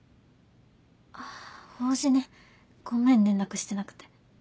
あ法事ねごめん連絡してなくて。